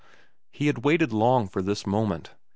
He had waited long for this moment.